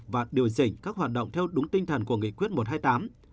và điều chỉnh các hoạt động theo đúng tinh thần của nghị quyết một trăm hai mươi tám